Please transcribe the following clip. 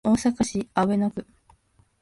大阪市阿倍野区